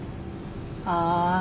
ああ。